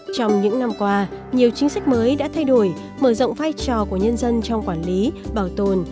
trong những năm qua nhiều chính sách mới đã thay đổi mở rộng vai trò của nhân dân trong quản lý bảo tồn